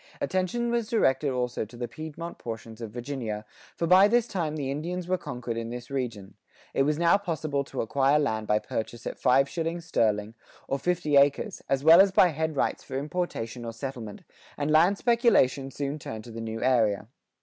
Attention was directed also to the Piedmont portions of Virginia, for by this time the Indians were conquered in this region. It was now possible to acquire land by purchase[87:3] at five shillings sterling for fifty acres, as well as by head rights for importation or settlement, and land speculation soon turned to the new area.